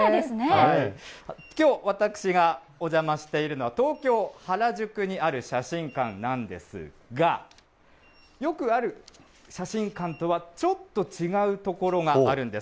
きょう、私がお邪魔しているのは東京・原宿にある写真館なんですが、よくある写真館とはちょっと違うところがあるんです。